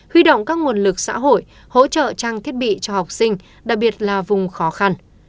huy động các nguồn lực xã hội hỗ trợ trang thiết bị cho học sinh đặc biệt là vùng khó khăn